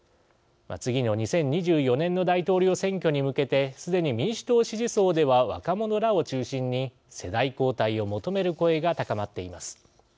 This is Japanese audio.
次の２０２４年の大統領選挙に向けてすでに民主党支持層では若者らを中心に、世代交代を求める声が高まっています。